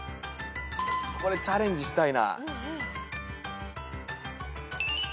これチャレンジしたいな。